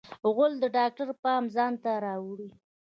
غول د ډاکټر پام ځانته اړوي.